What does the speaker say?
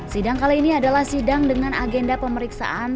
sidang kali ini adalah sidang dengan agenda pemeriksaan